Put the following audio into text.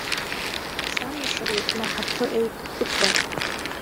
Сани сареи днаҳаԥыҟьеит Кәыҿба.